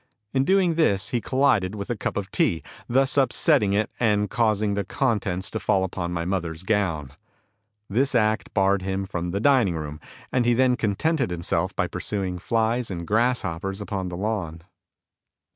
In doing this he collided with a cup of tea, thus upsetting it, and causing the contents to fall upon my mother's gown. This act barred him from the dining room, and he then contented himself by pursuing flies and grasshoppers upon the lawn.